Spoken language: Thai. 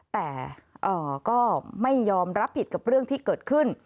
แต่ก็ไม่ยอมรับผิดกับเรื่องที่เกิดขึ้น